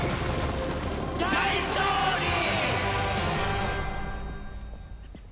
大勝利！